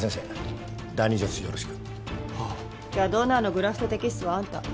じゃあドナーのグラフト摘出はあんた。